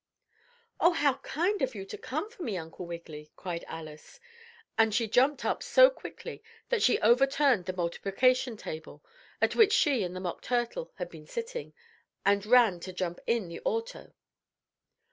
"Oh, how kind of you to come for me, Uncle Wiggily!" cried Alice, and she jumped up so quickly that she overturned the multiplication table, at which she and the Mock Turtle had been sitting, and ran to jump in the auto.